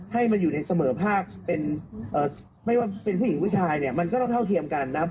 ให้มาอยู่ในเสมอภาพเป็นไม่ว่าเป็นผู้หญิงผู้ชายเนี่ยมันก็ต้องเท่าเทียมกันนะครับ